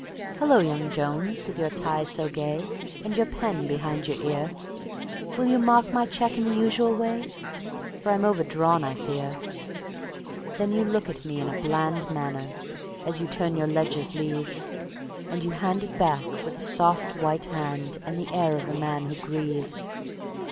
"Hullo, young Jones! with your tie so gay And your pen behind your ear; Will you mark my cheque in the usual way? For I'm overdrawn, I fear." Then you look at me in a manner bland, As you turn your ledger's leaves, And you hand it back with a soft white hand, And the air of a man who grieves.